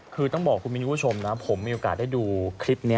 คือต้องบอกคุณมิ้นคุณผู้ชมนะผมมีโอกาสได้ดูคลิปนี้